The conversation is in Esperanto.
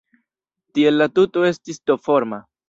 Tiel la tuto estis T-forma.